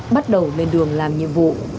bắt đầu lên đường làm nhiệm vụ